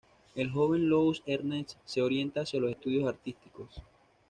El joven Louis-Ernest se orienta hacia los estudios artísticos.